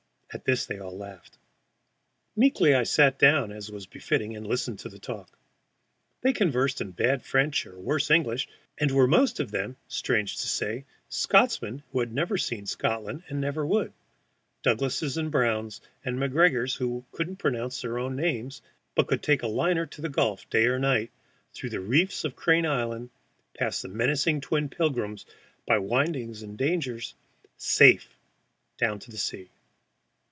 At this they all laughed. Meekly I sat down, as was befitting, and listened to the talk. They conversed in bad French or worse English, and were most of them, strange to say, Scotchmen who had never seen Scotland and never would Douglasses and Browns and McGregors, who couldn't pronounce their own names, but could take a liner to the gulf, day or night, through the reefs of Crane Island, past the menacing twin Pilgrims, by windings and dangers, safe down to sea.